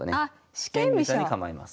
四間飛車に構えます。